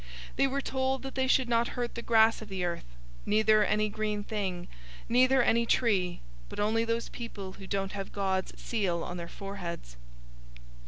009:004 They were told that they should not hurt the grass of the earth, neither any green thing, neither any tree, but only those people who don't have God's seal on their foreheads.